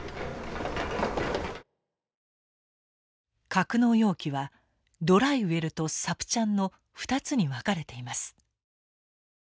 格納容器はドライウェルとサプチャンの２つに分かれています。